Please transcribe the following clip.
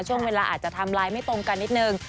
ช่วงเวลาอาจจะไทม์ไลน์ไม่ตรงกันนิดนึง